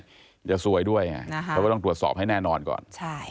มันก็จะซวยด้วยไงเพราะต้องตรวจสอบให้แน่นอนก่อน